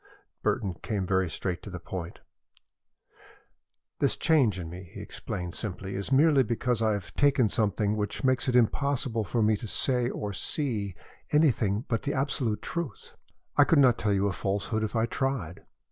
Burton came very straight to the point. "This change in me," he explained simply, "is merely because I have taken something which makes it impossible for me to say or see anything but the absolute truth. I could not tell you a falsehood if I tried.